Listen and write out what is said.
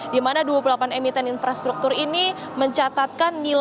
dimana dua puluh delapan emiten infrastruktur yang digaungkan oleh presiden joko widodo